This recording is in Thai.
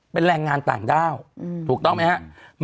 เป็นแรงงานต่างด้าวถูกต้องไหมครับ